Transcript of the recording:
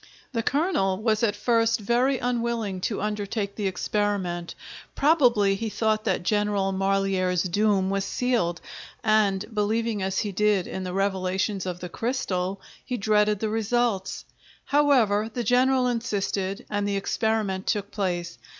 The colonel was at first very unwilling to undertake the experiment, probably he thought that General Marlière's doom was sealed, and, believing as he did in the revelations of the crystal, he dreaded the results; however, the general insisted and the experiment took place.